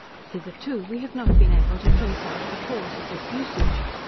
Hitherto we have not been able to trace out the cause of this usage.